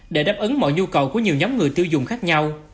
để đáp ứng mọi nhu cầu của nhiều nhóm người tiêu dùng khác nhau